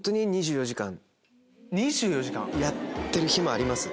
２４時間⁉やってる日もあります。